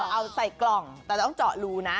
เอาใส่กล่องแต่ต้องเจาะรูนะ